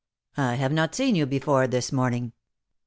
I have not seen' you before this morning.